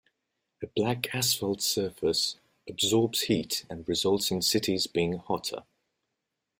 A black asphalt surface absorbs heat and results in cities being hotter.